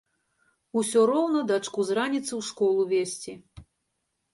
Усё роўна дачку з раніцы ў школу весці.